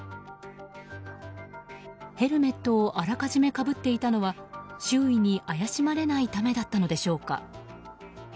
ヘルメットをあらかじめかぶっていたのは周囲に怪しまれないためだったのでしょうか。